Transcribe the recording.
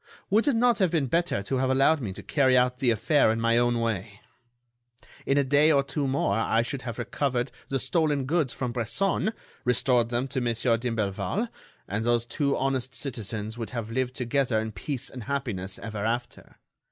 Would it not have been better to have allowed me to carry out the affair in my own way? In a day or two more, I should have recovered the stolen goods from Bresson, restored them to Monsieur d'Imblevalle, and those two honest citizens would have lived together in peace and happiness ever after.